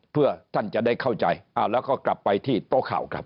เพื่อท่านจะได้เข้าใจแล้วก็กลับไปที่โต๊ะข่าวครับ